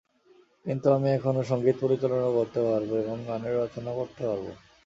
কিন্তু আমি এখনো সংগীত পরিচালনা করতে পারবো, এবং গানের রচনা করতে পারবো।